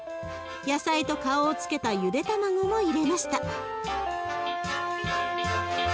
野菜と顔をつけたゆで卵も入れました。